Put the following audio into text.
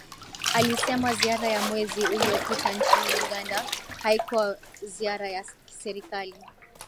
Alisema ziara ya mwezi uliopita nchini Uganda haikuwa ziara ya kiserikali